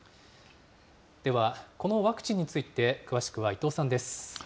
では、このワクチンについて詳しくは伊藤さんです。